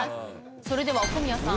それでは小宮さん。